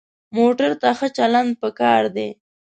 موټر ته ښه چلند پکار دی.